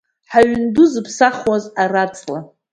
Ҳаҩнду зыԥсахуаз араҵла…